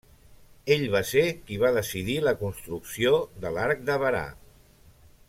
Ell va ser qui va decidir la construcció de l'Arc de Berà.